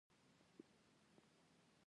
د امیدوارۍ د کمخونی لپاره باید څه شی وخورم؟